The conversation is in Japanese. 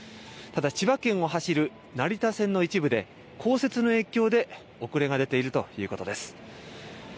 ただ、千葉県を走る成田線の一部で、降雪の影響で遅れが出ているということです。